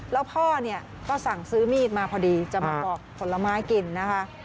แล้วพ่อเนี่ยก็สั่งซื้อมีดมาพอดีจะมากอกผลไม้กินนะคะ